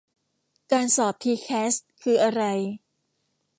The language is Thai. การสอบทีแคสคืออะไร